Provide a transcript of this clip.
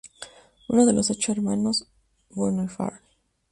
Uno de los ocho hermanos Bonhoeffer.